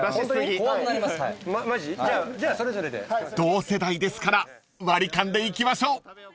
［同世代ですから割り勘でいきましょう］